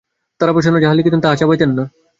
তারাপ্রসন্ন যাহা লিখিতেন তাহা ছাপাইতেন না।